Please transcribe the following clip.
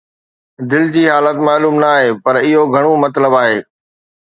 دل جي حالت معلوم نه آهي، پر اهو گهڻو مطلب آهي